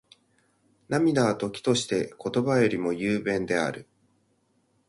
涙は、時として言葉よりも雄弁である。